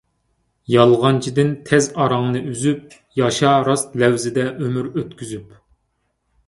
يالغانچىدىن تەز ئاراڭنى ئۈزۈپ، ياشا راست لەۋزدە ئۆمۈر ئۆتكۈزۈپ.